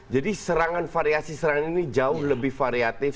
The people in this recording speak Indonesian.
jadi serangan variasi variasi ini jauh lebih variatif